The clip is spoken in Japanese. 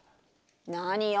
何よ！